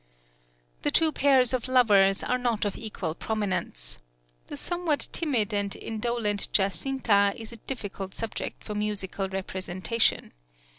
The two pairs of lovers are not of equal prominence. The somewhat timid and indolent Giacinta is a difficult subject for musical representation.